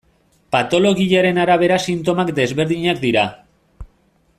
Patologiaren arabera sintomak desberdinak dira.